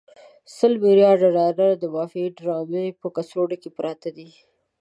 سل ملیارده ډالر د مافیایي ډرامې په کڅوړو کې پراته دي.